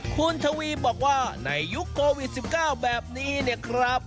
คุณทวีบอกว่าในยุคโควิด๑๙แบบนี้เนี่ยครับ